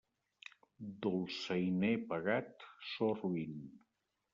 Dolçainer pagat, so roín.